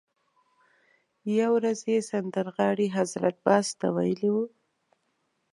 یوه ورځ یې سندرغاړي حضرت باز ته ویلي وو.